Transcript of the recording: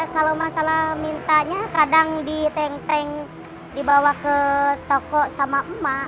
kalau emak salah mintanya kadang diteng teng dibawa ke toko sama emak